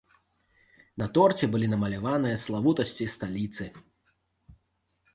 На торце былі намаляваныя славутасці сталіцы.